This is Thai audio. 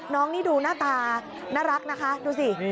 น้องนี่ดูหน้าตาน่ารักนะคะดูสิ